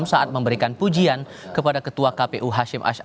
saat memberikan pujian kepada ketua kpu hashim asham